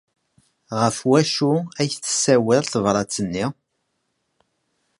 Ɣef wacu ay tessawal tebṛat-nni?